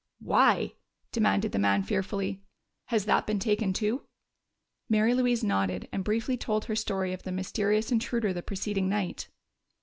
"Why?" demanded the man fearfully. "Has that been taken too?" Mary Louise nodded and briefly told her story of the mysterious intruder the preceding night.